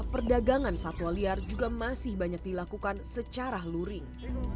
perdagangan satwa liar juga masih banyak dilakukan secara luring